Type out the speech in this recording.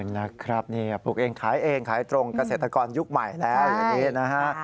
นะครับปลูกเองขายเองขายตรงเกษตรกรยุคใหม่แล้วอย่างนี้นะฮะ